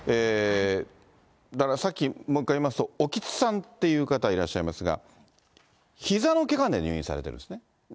だからさっき、もう一回言いますと、興津さんっていう方がいらっしゃいますが、ひざのけがで入院されてるんですね。